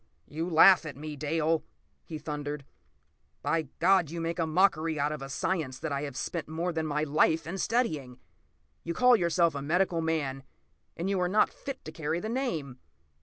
p> "You laugh at me, Dale," he thundered. "By God, you make a mockery out of a science that I have spent more than my life in studying! You call yourself a medical man—and you are not fit to carry the name!